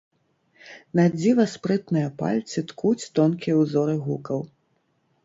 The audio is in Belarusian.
Надзіва спрытныя пальцы ткуць тонкія ўзоры гукаў.